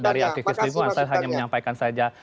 dari aktivitas terima saya hanya menyampaikan saja